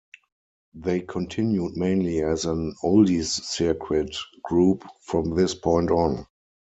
They continued mainly as an "oldies circuit" group from this point on.